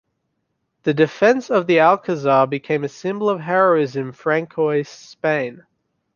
The defence of the Alcazar became a symbol of heroism in Francoist Spain.